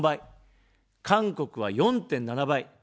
韓国は４．７倍。